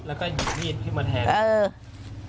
แล้วก็หยุดมีดขึ้นมาแทน